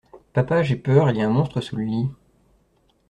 Papa j'ai peur, y a un monstre sous le lit.